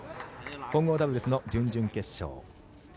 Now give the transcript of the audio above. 混合ダブルスの準々決勝。